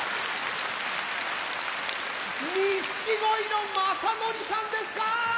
錦鯉の雅紀さんでした！